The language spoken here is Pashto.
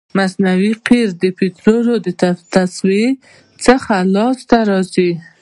مصنوعي قیر د پطرولو د تصفیې څخه لاسته راځي